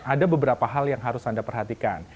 ada beberapa hal yang harus anda perhatikan